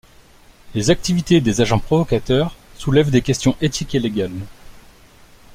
Les activités des agents provocateurs soulèvent des questions éthiques et légales.